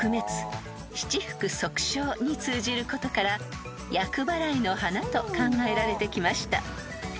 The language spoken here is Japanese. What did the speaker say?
［に通じることから厄払いの花と考えられてきました］